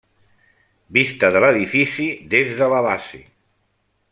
Vista de l'edifici des de la base.